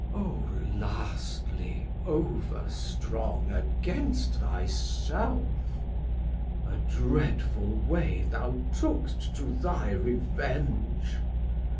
Man: O lastly over strong against thy self! 1590 A dreadful way thou took'st to thy revenge.